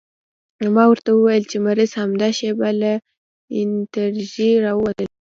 ما ورته وويل چې مريض همدا شېبه له انستيزۍ راوتلى.